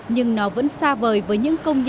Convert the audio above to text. nhưng nó vẫn xa vời với những công nghiệp